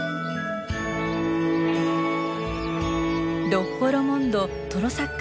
ロッホ・ロモンド＝トロサックス